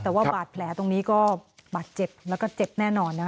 แต่ว่าบาดแผลตรงนี้ก็บาดเจ็บแล้วก็เจ็บแน่นอนนะ